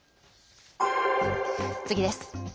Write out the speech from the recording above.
次です。